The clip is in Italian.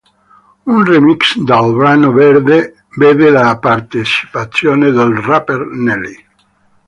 Un remix del brano vede la partecipazione del rapper Nelly.